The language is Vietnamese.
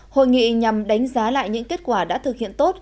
hội nghị nhằm đánh giá lại những kết quả đã thực hiện tốt